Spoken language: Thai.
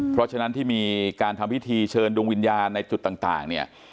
เพราะฉะนั้นที่มีการทำพิธีเชิญดวงวิญญาณในจุดต่างเนี่ย